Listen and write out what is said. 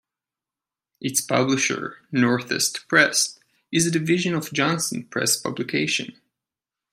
Its publisher, Northeast Press, is a division of Johnston Press plc.